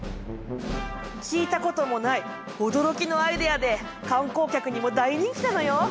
聞いたこともない驚きのアイデアで観光客にも大人気なのよ。